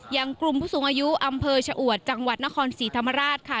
อย่างกลุ่มผู้สูงอายุอำเภอชะอวดจังหวัดนครศรีธรรมราชค่ะ